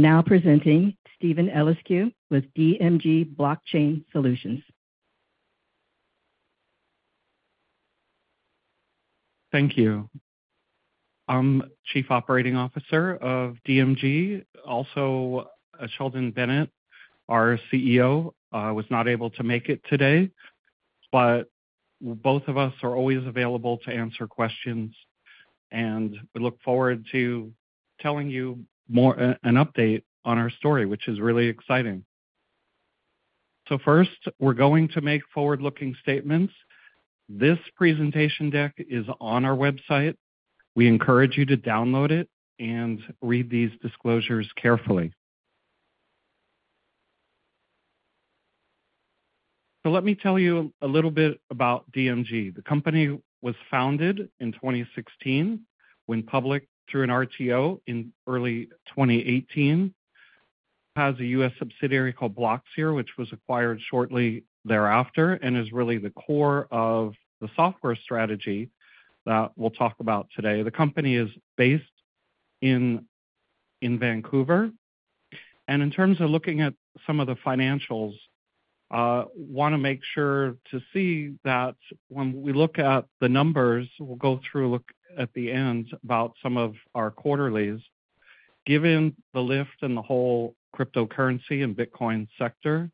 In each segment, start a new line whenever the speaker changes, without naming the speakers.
Now presenting Steven Eliscu with DMG Blockchain Solutions.
Thank you. I'm Chief Operating Officer of DMG. Sheldon Bennett, our CEO, was not able to make it today, but both of us are always available to answer questions, and we look forward to telling you more, an update on our story, which is really exciting. First, we're going to make forward-looking statements. This presentation deck is on our website. We encourage you to download it and read these disclosures carefully. Let me tell you a little bit about DMG. The company was founded in 2016, went public through an RTO in early 2018. Has a U.S. subsidiary called Blockseer, which was acquired shortly thereafter and is really the core of the software strategy that we'll talk about today. The company is based in Vancouver. In terms of looking at some of the financials, wanna make sure to see that when we look at the numbers, we'll go through, look at the end about some of our quarterlies. Given the lift in the whole cryptocurrency and Bitcoin sector,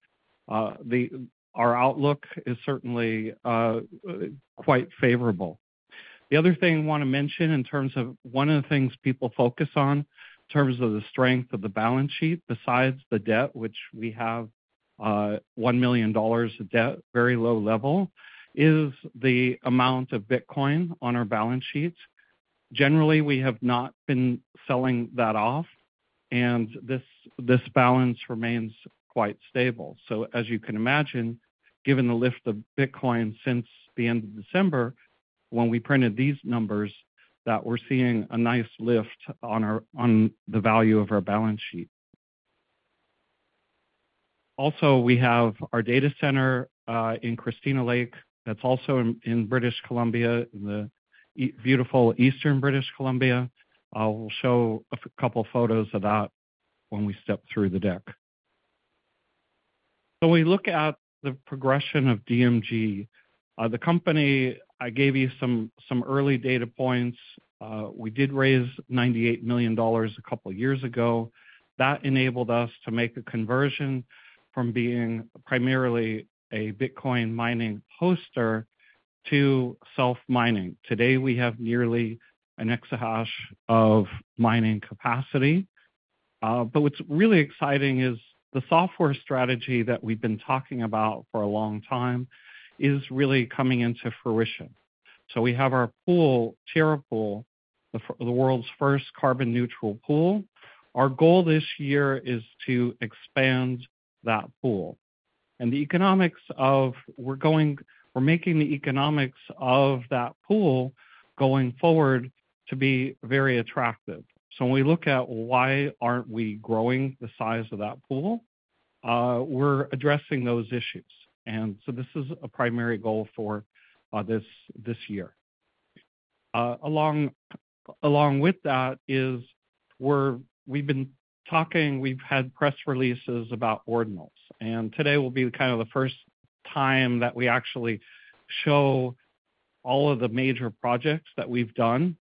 our outlook is certainly quite favorable. The other thing I wanna mention in terms of one of the things people focus on in terms of the strength of the balance sheet, besides the debt, which we have $1 million of debt, very low level, is the amount of Bitcoin on our balance sheets. Generally, we have not been selling that off, and this balance remains quite stable. As you can imagine, given the lift of Bitcoin since the end of December when we printed these numbers, that we're seeing a nice lift on the value of our balance sheet. Also, we have our data center in Christina Lake, that's also in British Columbia, in the beautiful eastern British Columbia. I'll show a couple photos of that when we step through the deck. We look at the progression of DMG. The company, I gave you some early data points. We did raise $98 million a couple years ago. That enabled us to make a conversion from being primarily a Bitcoin mining hoster to self-mining. Today, we have nearly an exahash of mining capacity. What's really exciting is the software strategy that we've been talking about for a long time is really coming into fruition. We have our pool, TerraPool, the world's first carbon-neutral pool. Our goal this year is to expand that pool. We're making the economics of that pool going forward to be very attractive. When we look at why aren't we growing the size of that pool, we're addressing those issues. This is a primary goal for this year. Along with that is we've been talking, we've had press releases about Ordinals, today will be kind of the first time that we actually show all of the major projects that we've done.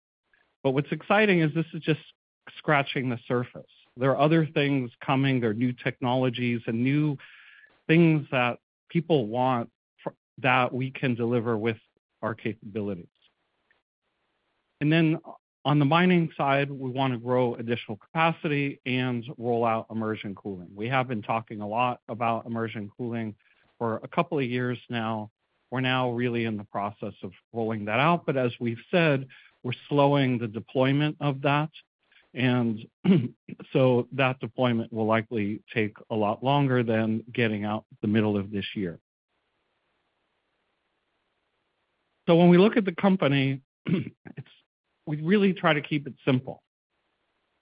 What's exciting is this is just scratching the surface. There are other things coming. There are new technologies and new things that people want that we can deliver with our capabilities. On the mining side, we wanna grow additional capacity and roll out immersion cooling. We have been talking a lot about immersion cooling for a couple of years now. We're now really in the process of rolling that out, as we've said, we're slowing the deployment of that deployment will likely take a lot longer than getting out the middle of this year. When we look at the company, we really try to keep it simple.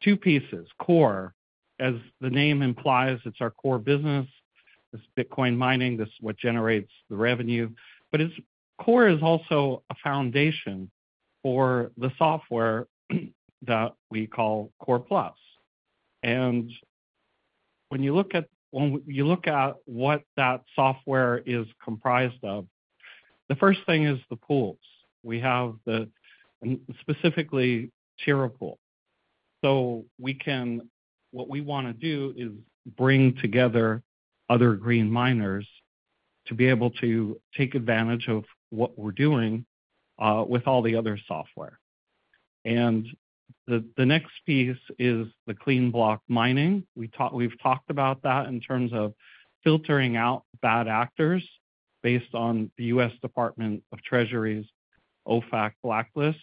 Two pieces, Core, as the name implies, it's our core business. It's Bitcoin mining. This is what generates the revenue. Core is also a foundation for the software that we call Core+. When you look at what that software is comprised of, the first thing is the pools. We have specifically Terra Pool. What we wanna do is bring together other green miners to be able to take advantage of what we're doing with all the other software. The next piece is the Clean Block Mining. We've talked about that in terms of filtering out bad actors based on the U.S. Department of the Treasury's OFAC blacklist.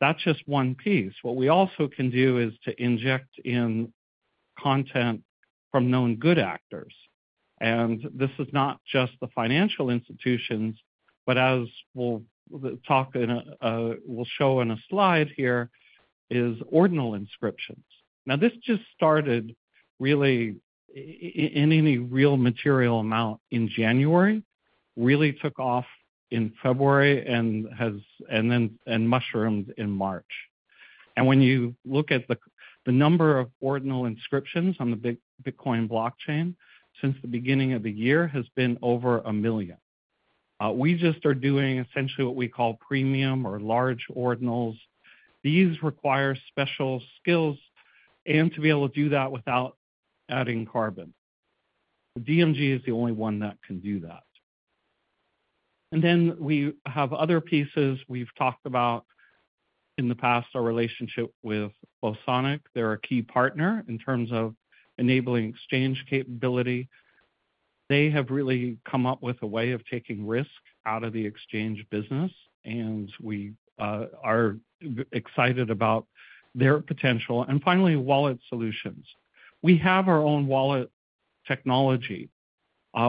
That's just one piece. What we also can do is to inject in content from known good actors. This is not just the financial institutions, but as we'll talk in a, we'll show in a slide here, is ordinal inscriptions. This just started really in any real material amount in January. Really took off in February and mushroomed in March. When you look at the number of ordinal inscriptions on the Bitcoin blockchain since the beginning of the year has been over one million. We just are doing essentially what we call premium or large ordinals. These require special skills and to be able to do that without adding carbon. DMG is the only one that can do that. We have other pieces we've talked about in the past, our relationship with Bosonic. They're a key partner in terms of enabling exchange capability. They have really come up with a way of taking risk out of the exchange business, and we are excited about their potential. Finally, wallet solutions. We have our own wallet technology.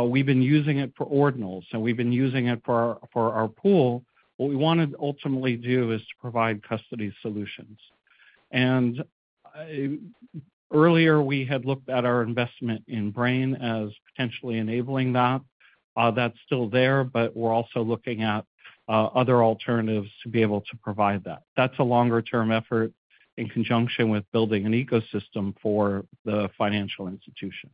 We've been using it for ordinals, and we've been using it for our pool. What we wanna ultimately do is to provide custody solutions. Earlier, we had looked at our investment in Braiins as potentially enabling that. That's still there, we're also looking at other alternatives to be able to provide that. That's a longer-term effort in conjunction with building an ecosystem for the financial institutions.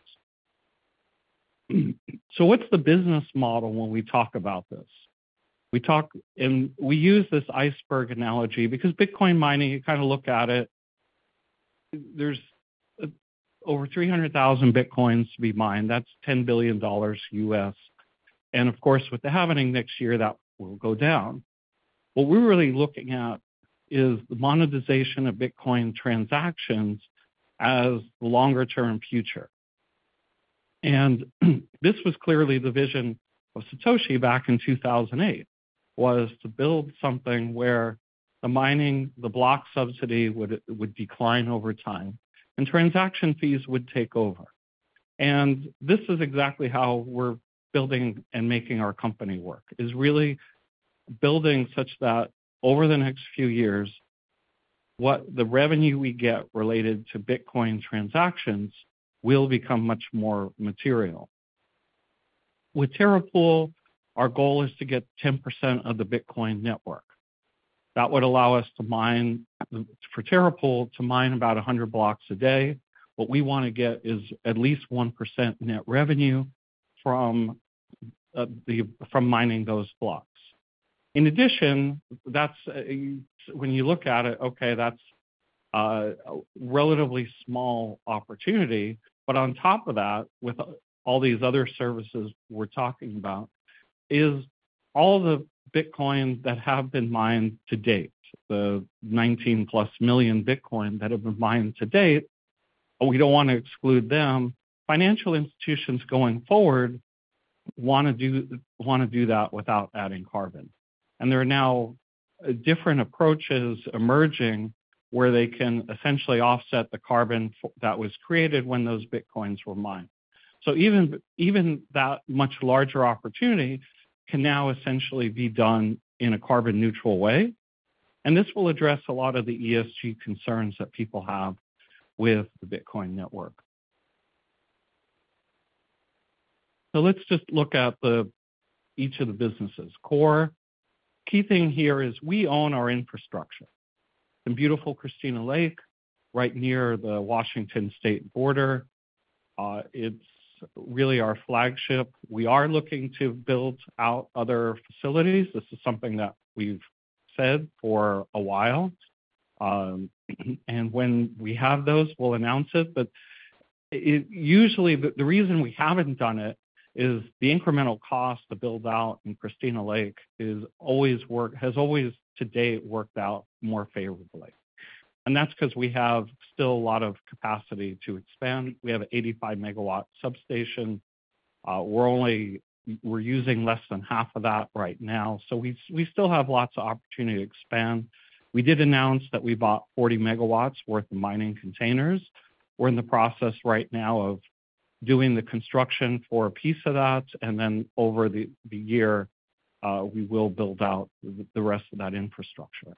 What's the business model when we talk about this? We use this iceberg analogy because Bitcoin mining, you kinda look at it, there's over 300,000 Bitcoins to be mined. That's $10 billion. Of course, with the halving next year, that will go down. What we're really looking at is the monetization of Bitcoin transactions as the longer-term future. This was clearly the vision of Satoshi back in 2008, was to build something where the mining, the block subsidy would decline over time and transaction fees would take over. This is exactly how we're building and making our company work, is really building such that over the next few years, what the revenue we get related to Bitcoin transactions will become much more material. With Terra Pool, our goal is to get 10% of the Bitcoin network. That would allow us for Terra Pool to mine about 100 blocks a day. What we wanna get is at least 1% net revenue from mining those blocks. In addition, that's when you look at it, okay, that's a relatively small opportunity. On top of that, with all these other services we're talking about, is all the Bitcoins that have been mined to date, the 19+ million Bitcoin that have been mined to date, we don't wanna exclude them. Financial institutions going forward wanna do that without adding carbon. There are now different approaches emerging where they can essentially offset the carbon that was created when those Bitcoin were mined. Even, even that much larger opportunity can now essentially be done in a carbon neutral way, and this will address a lot of the ESG concerns that people have with the Bitcoin network. Let's just look at each of the businesses. Core, key thing here is we own our infrastructure. In beautiful Christina Lake, right near the Washington state border, it's really our flagship. We are looking to build out other facilities. This is something that we've said for a while, and when we have those, we'll announce it. It usually, the reason we haven't done it is the incremental cost to build out in Christina Lake has always to date worked out more favorably. That's 'cause we have still a lot of capacity to expand. We have 85 MW substation. We're using less than half of that right now, we still have lots of opportunity to expand. We did announce that we bought 40 MWs worth of mining containers. We're in the process right now of doing the construction for a piece of that, over the year, we will build out the rest of that infrastructure.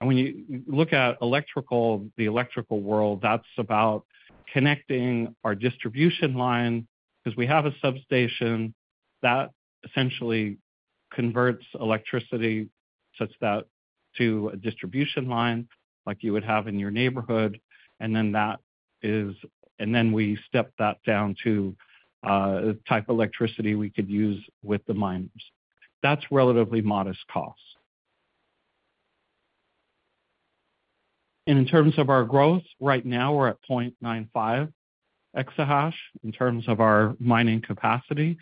When you look at electrical, the electrical world, that's about connecting our distribution line, 'cause we have a substation that essentially converts electricity such that to a distribution line like you would have in your neighborhood. We step that down to type of electricity we could use with the miners. That's relatively modest cost. In terms of our growth, right now we're at 0.95 exahash in terms of our mining capacity.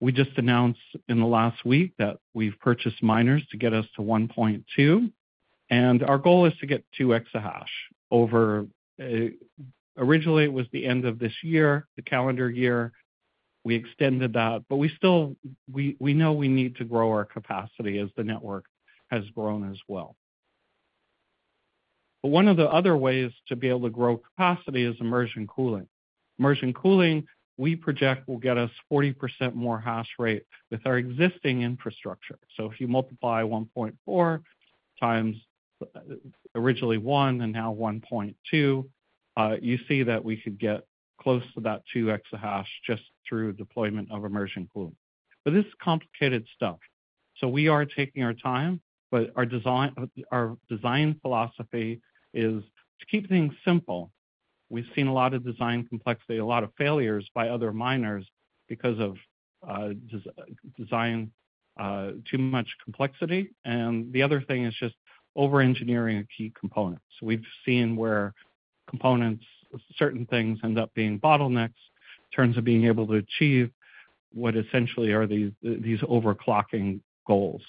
We just announced in the last week that we've purchased miners to get us to 1.2, and our goal is to get two exahash over, originally it was the end of this year, the calendar year. We extended that, but we still, we know we need to grow our capacity as the network has grown as well. One of the other ways to be able to grow capacity is immersion cooling. Immersion cooling, we project, will get us 40% more hash rate with our existing infrastructure. If you multiply 1.4 times originally one and now 1.2, you see that we could get close to that two exahash just through deployment of immersion cooling. This is complicated stuff, so we are taking our time. Our design philosophy is to keep things simple. We've seen a lot of design complexity, a lot of failures by other miners because of design, too much complexity. The other thing is just over-engineering key components. We've seen where components, certain things end up being bottlenecks in terms of being able to achieve what essentially are these overclocking goals.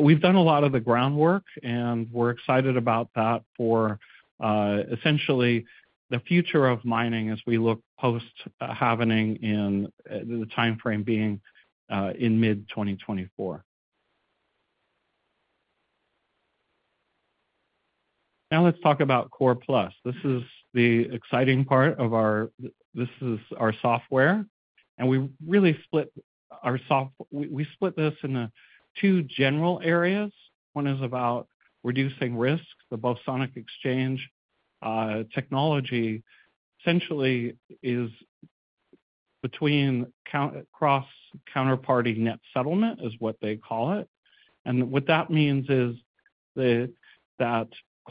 We've done a lot of the groundwork, and we're excited about that for essentially the future of mining as we look post-Halvening, the timeframe being in mid-2024. Let's talk about Core+. This is the exciting part of this is our software. We really split this into two general areas. One is about reducing risks. The Bosonic Exchange technology essentially is between cross counterparty net settlement, is what they call it. What that means is that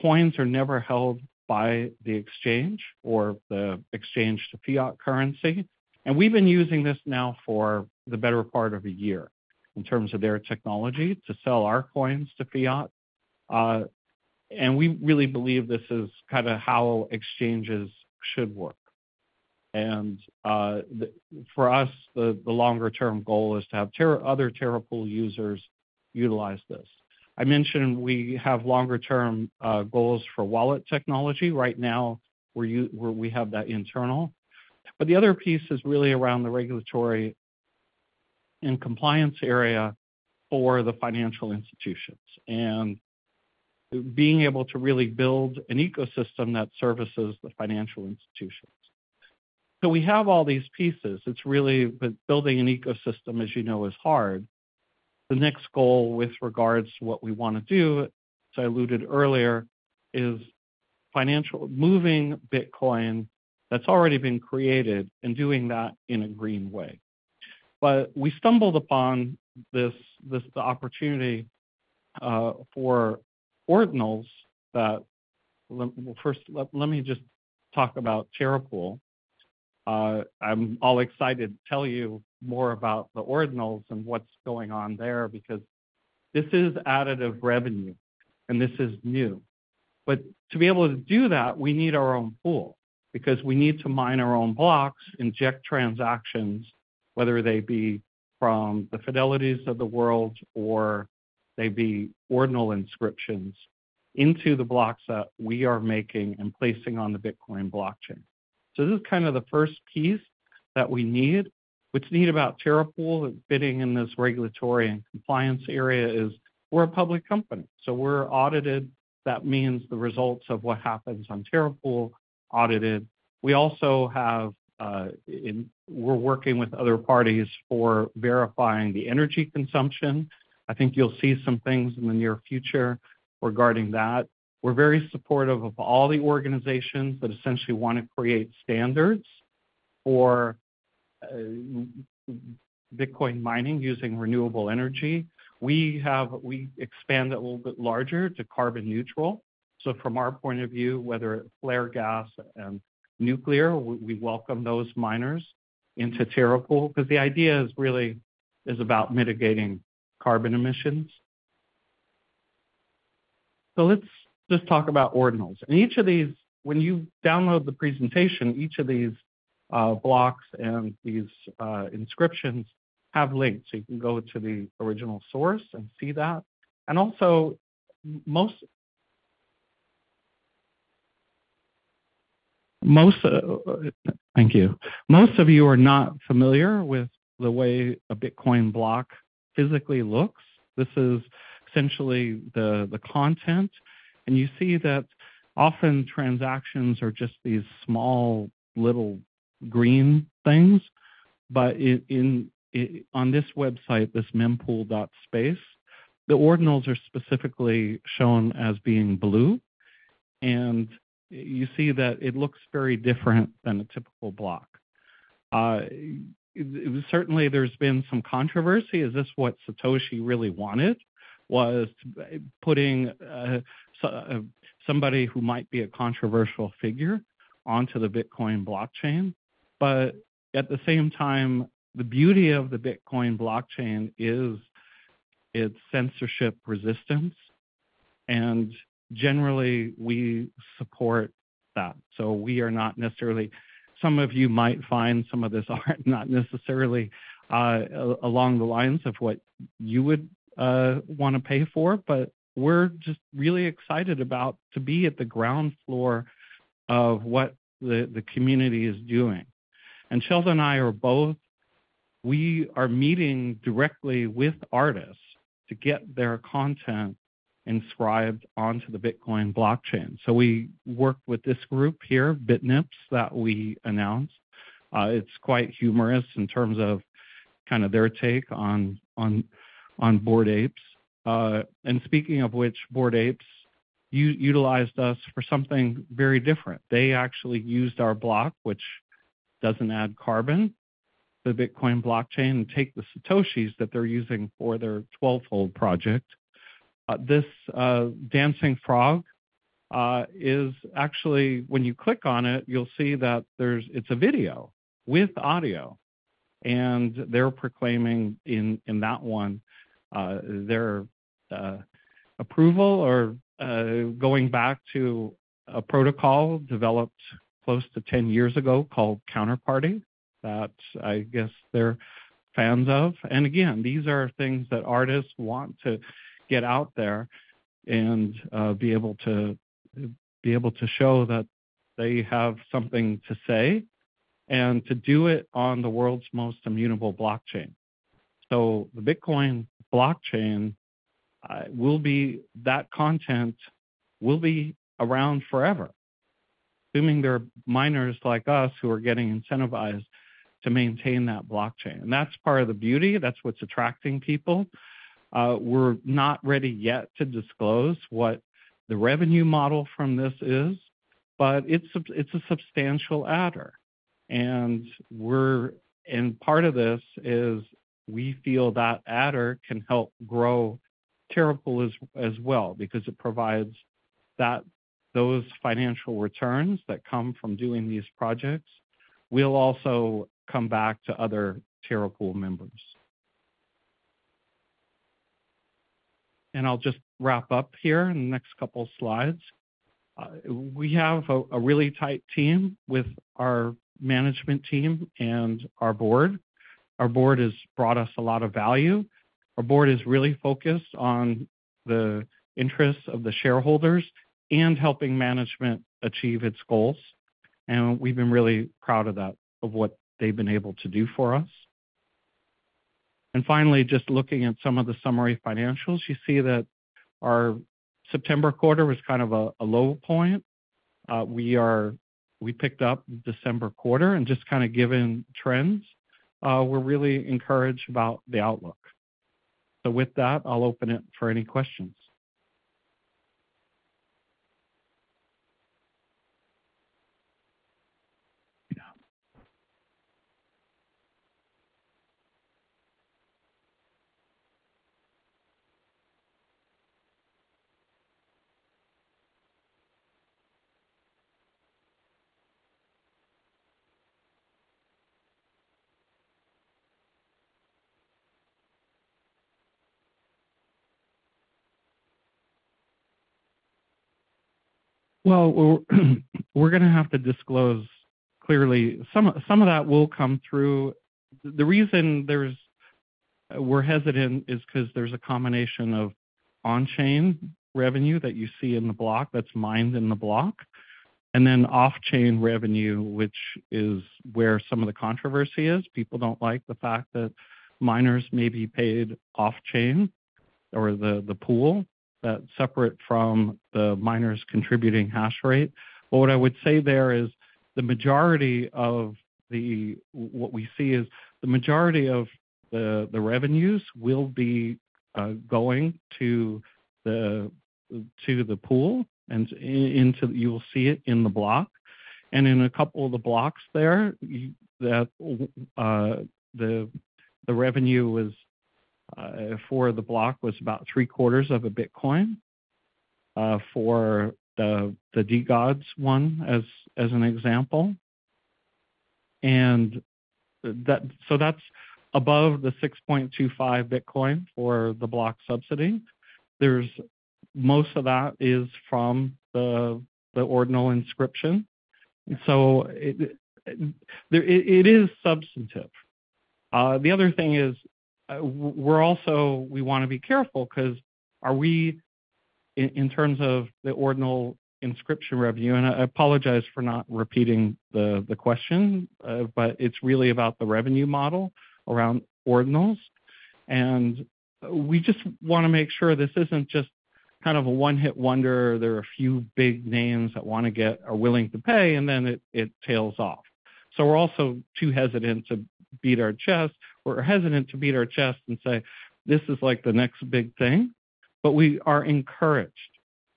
coins are never held by the exchange or the exchange to fiat currency. We've been using this now for the better part of a year in terms of their technology to sell our coins to fiat. We really believe this is kinda how exchanges should work. For us, the longer-term goal is to have other Terra Pool users utilize this. I mentioned we have longer-term goals for wallet technology. Right now we have that internal. The other piece is really around the regulatory and compliance area for the financial institutions, and being able to really build an ecosystem that services the financial institutions. We have all these pieces. Building an ecosystem, as you know, is hard. The next goal with regards to what we wanna do, as I alluded earlier, is moving Bitcoin that's already been created and doing that in a green way. We stumbled upon this opportunity for ordinals. First, let me just talk about Terra Pool. I'm all excited to tell you more about the ordinals and what's going on there because this is additive revenue, and this is new. To be able to do that, we need our own pool because we need to mine our own blocks, inject transactions, whether they be from the Fidelity of the world or they be ordinal inscriptions, into the blocks that we are making and placing on the Bitcoin blockchain. This is kind of the first piece that we need. What's neat about Terra Pool and fitting in this regulatory and compliance area is we're a public company, so we're audited. That means the results of what happens on Terra Pool audited. We're working with other parties for verifying the energy consumption. I think you'll see some things in the near future regarding that. We're very supportive of all the organizations that essentially wanna create standards for Bitcoin mining using renewable energy. We expand it a little bit larger to carbon neutral. From our point of view, whether it's flare gas and nuclear, we welcome those miners into Terra Pool, 'cause the idea is really about mitigating carbon emissions. Let's just talk about ordinals. When you download the presentation, each of these blocks and these inscriptions have links, so you can go to the original source and see that. Also. Thank you. Most of you are not familiar with the way a Bitcoin block physically looks. This is essentially the content. You see that often transactions are just these small little green things. On this website, this mempool.space, the ordinals are specifically shown as being blue. You see that it looks very different than a typical block. Certainly there's been some controversy. Is this what Satoshi really wanted, was putting somebody who might be a controversial figure onto the Bitcoin blockchain? At the same time, the beauty of the Bitcoin blockchain is its censorship resistance, and generally we support that. We are not necessarily. Some of you might find some of this art not necessarily along the lines of what you would wanna pay for, but we're just really excited about to be at the ground floor of what the community is doing. Sheldon and I are both. We are meeting directly with artists to get their content inscribed onto the Bitcoin blockchain. We worked with this group here, Bitnips, that we announced. It's quite humorous in terms of kind of their take on Bored Apes. Speaking of which, Bored Apes utilized us for something very different. They actually used our block, which doesn't add carbon to the Bitcoin blockchain, and take the Satoshis that they're using for their TwelveFold project. This dancing frog is actually when you click on it, you'll see that there's it's a video with audio, they're proclaiming in that one their approval or going back to a protocol developed close to 10 years ago called Counterparty that I guess they're fans of. Again, these are things that artists want to get out there and be able to show that they have something to say and to do it on the world's most immutable blockchain. The Bitcoin blockchain. That content will be around forever, assuming there are miners like us who are getting incentivized to maintain that blockchain. That's part of the beauty. That's what's attracting people. We're not ready yet to disclose what the revenue model from this is, but it's a substantial adder. Part of this is we feel that adder can help grow Terra Pool as well because it provides those financial returns that come from doing these projects will also come back to other Terra Pool members. I'll just wrap up here in the next couple slides. We have a really tight team with our management team and our board. Our board has brought us a lot of value. Our board is really focused on the interests of the shareholders and helping management achieve its goals. We've been really proud of that, of what they've been able to do for us. Finally, just looking at some of the summary financials. You see that our September quarter was kind of a low point. We picked up December quarter and just kind of given trends, we're really encouraged about the outlook. With that, I'll open it for any questions. We're gonna have to disclose clearly. Some of that will come through... The reason we're hesitant is 'cause there's a combination of on-chain revenue that you see in the block that's mined in the block, and then off-chain revenue, which is where some of the controversy is. People don't like the fact that miners may be paid off-chain or the pool that's separate from the miners contributing hash rate. What I would say there is what we see is the majority of the revenues will be going to the pool and you will see it in the block. In a couple of the blocks there that the revenue is for the block was about three-quarters of a Bitcoin for the DeGods one as an example. That's above the 6.25 Bitcoin for the block subsidy. Most of that is from the ordinal inscription. It is substantive. The other thing is we wanna be careful 'cause are we, in terms of the ordinal inscription revenue, and I apologize for not repeating the question, but it's really about the revenue model around ordinals. We just wanna make sure this isn't just kind of a one-hit wonder. There are a few big names that are willing to pay, and then it tails off. We're also too hesitant to beat our chest. We're hesitant to beat our chest and say, "This is, like, the next big thing." We are encouraged.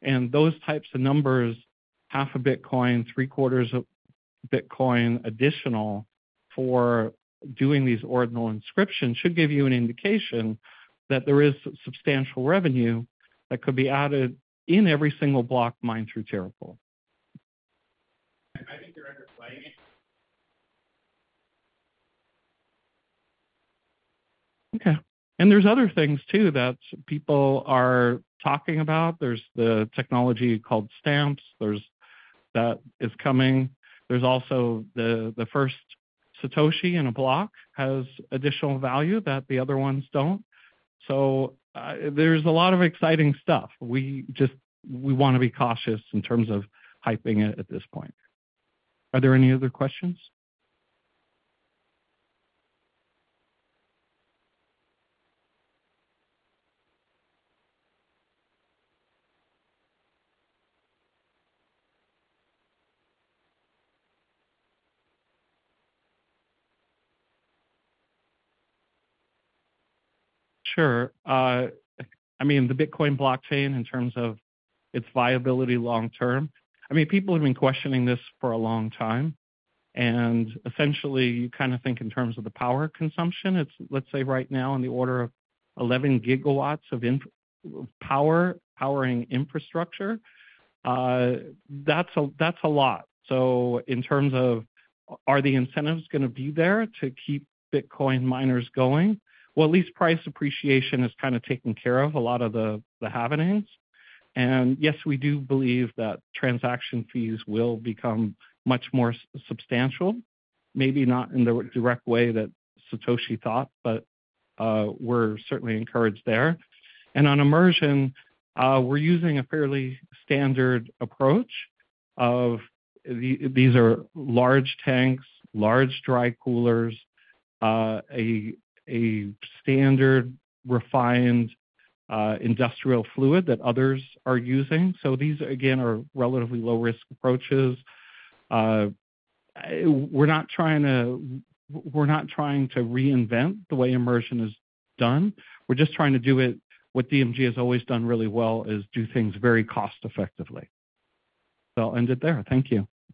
Those types of numbers, half a Bitcoin, three-quarters of Bitcoin additional for doing these ordinal inscriptions, should give you an indication that there is substantial revenue that could be added in every single block mined through Terra Pool. I think you're underplaying it. Okay. There's other things too that people are talking about. There's the technology called Stamps. That is coming. There's also the first Satoshi in a block has additional value that the other ones don't. There's a lot of exciting stuff. We wanna be cautious in terms of hyping it at this point. Are there any other questions? Sure. I mean, the Bitcoin blockchain in terms of its viability long term, I mean, people have been questioning this for a long time. Essentially, you kind of think in terms of the power consumption. It's, let's say right now, in the order of 11 gigawatts of powering infrastructure. That's a lot. In terms of are the incentives gonna be there to keep Bitcoin miners going? Well, at least price appreciation has kind of taken care of a lot of the happenings. Yes, we do believe that transaction fees will become much more substantial, maybe not in the direct way that Satoshi thought, but, we're certainly encouraged there. On immersion, we're using a fairly standard approach. These are large tanks, large dry coolers, a standard refined industrial fluid that others are using. These, again, are relatively low-risk approaches. We're not trying to reinvent the way immersion is done. We're just trying to do it... What DMG has always done really well is do things very cost-effectively. I'll end it there. Thank you.